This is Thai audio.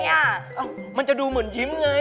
มันจะดูเหมือนยิ้มไง